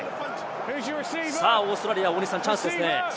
オーストラリア、チャンスですね。